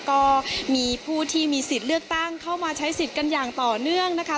ก็มีผู้ที่มีสิทธิ์เลือกตั้งเข้ามาใช้สิทธิ์กันอย่างต่อเนื่องนะคะ